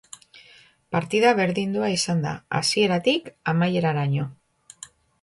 Partida berdindua izan da hasieratik amaieraraino.